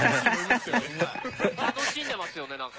楽しんでますよねなんか。